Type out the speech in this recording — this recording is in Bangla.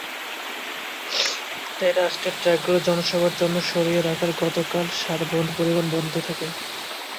তাই রাতেই ট্রাকগুলো জনসভার জন্য সরিয়ে রাখায় গতকাল সার পরিবহন বন্ধ থাকে।